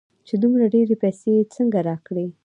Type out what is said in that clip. چې دومره ډېرې پيسې يې څنگه راکړې.